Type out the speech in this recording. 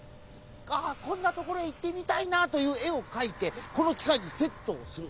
ああこんなところへいってみたいなというえをかいてこのきかいにセットをする。